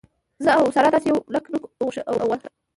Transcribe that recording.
زه او ساره داسې یو لک نوک او غوښه.